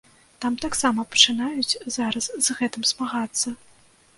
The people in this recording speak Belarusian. Там таксама пачынаюць зараз з гэтым змагацца.